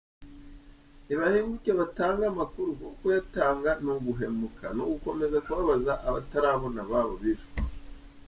Nibahinduke batange amakuru kuko kutayatanga ni uguhemuka, ni ugukomeza kubabaza abatarabona ababo bishwe.